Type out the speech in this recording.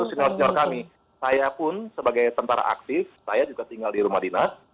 senior senior kami saya pun sebagai tentara aktif saya juga tinggal di rumah dinas